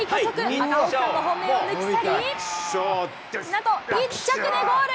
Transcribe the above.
赤星さんの本命を抜き去り、なんと１着でゴール。